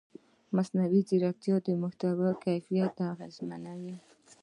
مصنوعي ځیرکتیا د محتوا کیفیت اغېزمنوي.